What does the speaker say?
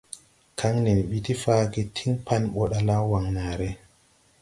Kaŋ nen mbi ti faage tiŋ pan ɓɔ ɗala Waŋnaare.